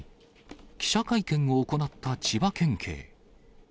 記者会見を行った千葉県警。